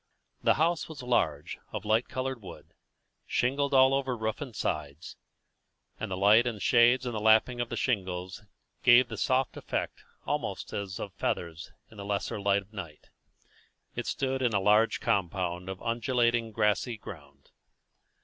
The house was large, of light coloured wood, shingled all over roof and sides, and the light and shades in the lapping of the shingles gave the soft effect almost as of feathers in the lesser light of night. It stood in a large compound of undulating grassy ground.